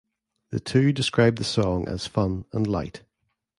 The two described the song as "fun and light".